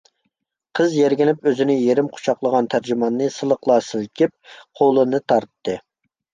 قىز يىرگىنىپ ئۆزىنى يېرىم قۇچاقلىغان تەرجىماننى سىلىقلا سىلكىپ قولىنى تارتتى.